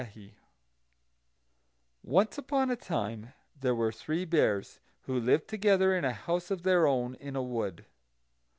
] Once upon a time there were Three Bears, who lived together in a house of their own, in a wood.